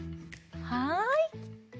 はい。